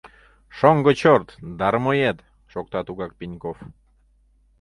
— Шоҥго черт, дармоед! — шокта тугак Пеньков.